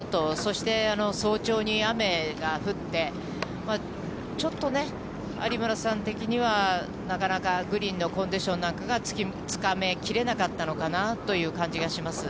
１つはやっぱり風向きが変わったこと、そして、早朝に雨が降って、ちょっとね、有村さん的には、なかなかグリーンのコンディションなんかが、つかめきれなかったのかなという感じがします。